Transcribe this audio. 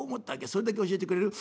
それだけ教えてくれる？